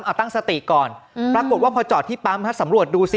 เอาตั้งสติก่อนปรากฏว่าพอจอดที่ปั๊มฮะสำรวจดูสิ